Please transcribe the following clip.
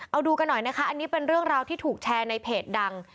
เอาดูกันหน่อยนะคะอันนี้เป็นเรื่องราวที่ถูกแชร์ในเพจดัง